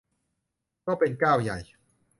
ก็เป็นก้าวใหญ่